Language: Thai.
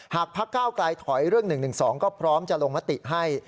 หากพัก๙กลายถอยเรื่อง๑๑๒ก็พร้อมจะลงมติให้